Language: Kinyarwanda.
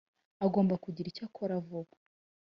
agomba kugira icyo akora vuba